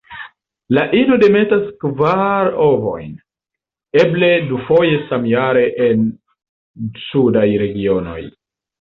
La ino demetas kvar ovojn; eble dufoje samjare en sudaj regionoj.